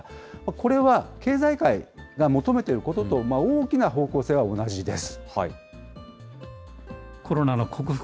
これは経済界が求めていることと大きな方向性は同じです。